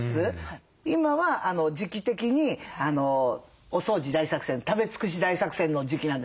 今は時期的にお掃除大作戦食べ尽くし大作戦の時期なんですよ。